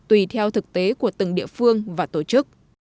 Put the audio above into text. tùy theo thực tế của từng địa phương và tổ chức